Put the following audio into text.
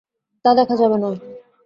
তা দেখা যাবে নয়।